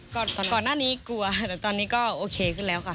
ก่อนหน้านี้กลัวแต่ตอนนี้ก็โอเคขึ้นแล้วค่ะ